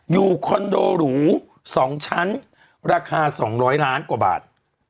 คอนโดหรู๒ชั้นราคา๒๐๐ล้านกว่าบาท